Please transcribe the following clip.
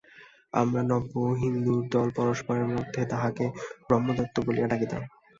আমরা নব্যহিন্দুর দল পরস্পরের মধ্যে তাঁহাকে ব্রহ্মদৈত্য বলিয়া ডাকিতাম।